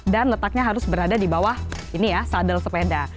dan letaknya harus berada di bawah ini ya sadel sepeda